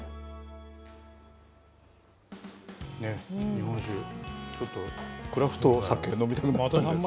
日本酒、ちょっとクラフトサケ、飲みたくなったんじゃないんですか。